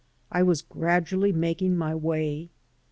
I was gradually making my way.